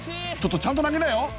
ちょっとちゃんと投げなよ？